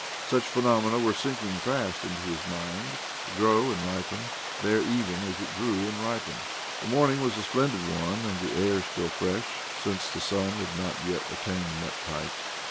Such phenomena were sinking fast into his mind, to grow and ripen there even as it grew and ripened. The morning was a splendid one, and the air still fresh, since the sun had not yet attained much height.